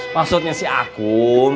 maksudnya si akum